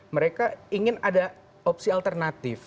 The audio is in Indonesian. mereka ingin ada opsi alternatif